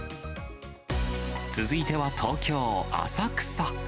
続いては、東京・浅草。